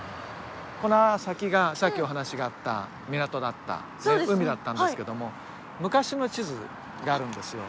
この先がさっきお話があった港だった海だったんですけども昔の地図があるんですよ。